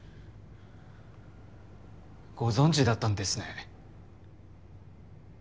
ご存じだったんですね。